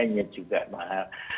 biayanya juga mahal